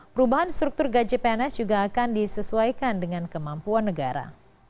perubahan struktur gaji pns juga akan disesuaikan dengan kemampuan negara